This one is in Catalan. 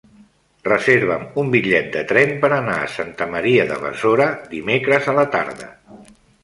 Reserva'm un bitllet de tren per anar a Santa Maria de Besora dimecres a la tarda.